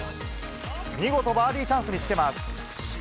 見事バーディーチャンスにつけます。